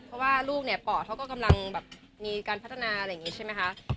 เพราะว่าลูกเนี่ยปอดเขาก็กำลังแบบมีการพัฒนาอะไรอย่างนี้ใช่ไหมคะ